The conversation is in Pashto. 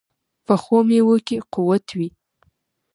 پخو میوو کې قوت وي